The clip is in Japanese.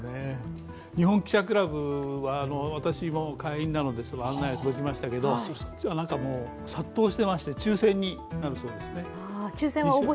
日本記者クラブは私も会員なので、案内きましたが殺到していまして、抽選になるそうです。